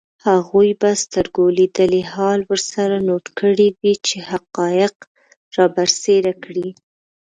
هغوی به سترګو لیدلی حال ورسره نوټ کړی وي چي حقایق رابرسېره کړي